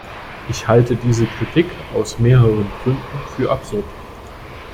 Ich halte diese Kritik aus mehreren Gründen für absurd.